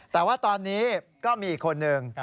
แต่ว่าตอนนี้ก็มีอีกคนนึง